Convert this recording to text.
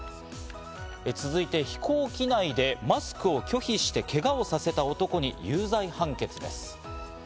続いて、飛行機内でマスクを拒否してけがをさせた男に有罪判決です。